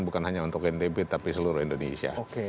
bukan hanya untuk ntb tapi seluruh indonesia